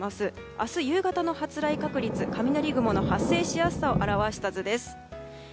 明日夕方の発雷確率雷雲の発生率を表した図です。